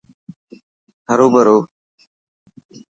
هرو برو.